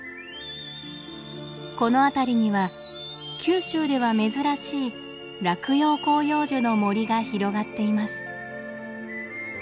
この辺りには九州では珍しい落葉広葉樹の森が広がっています。